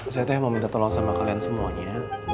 saya teh mau minta tolong sama kalian semuanya